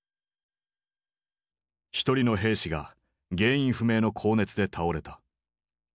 １人の兵士が原因不明の高熱で倒れた。